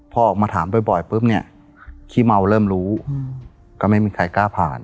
พอออกมาถามบ่อยปุ๊บเนี่ยขี้เมาเริ่มรู้ก็ไม่มีใครกล้าผ่าน